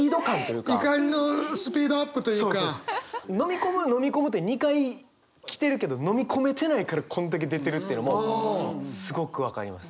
飲み込む飲み込むって２回来てるけど飲み込めてないからこんだけ出てるっていうのもすごく分かります。